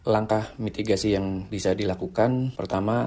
langkah mitigasi yang bisa dilakukan pertama